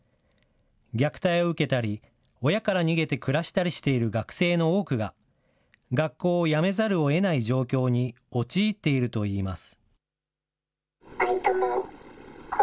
虐待を受けたり、親から逃げて暮らしたりしている学生の多くが、学校をやめざるをえない状況に陥っているといいます。